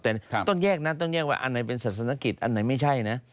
แต่ต้องแยกนะต้องแยกว่าอันไหนเป็นศาสนกิจอันไหนไม่ใช่นะ